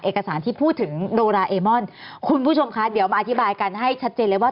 เอกสารที่พูดถึงโดราเอมอนคุณผู้ชมคะเดี๋ยวมาอธิบายกันให้ชัดเจนเลยว่า